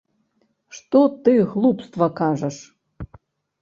Што ты глупства кажаш?